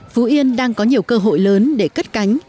phú yên đang có nhiều cơ hội lớn để cất cánh